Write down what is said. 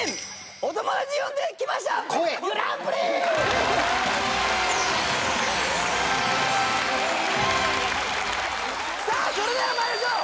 お友達呼んで来ましたグランプリ』さあそれでは参りましょう。